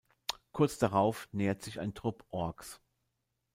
Kurz darauf nähert sich ein Trupp Orks.